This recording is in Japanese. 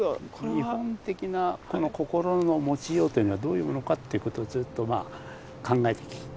日本的なこの心の持ちようというのはどういうものかということをずっとまあ考えてきたわけなんですよね。